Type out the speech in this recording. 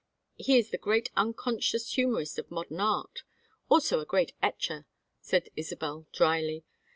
"He is the great unconscious humorist of modern art, also a great etcher," said Isabel, dryly.